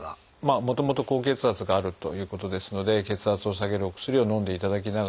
もともと高血圧があるということですので血圧を下げるお薬をのんでいただきながら。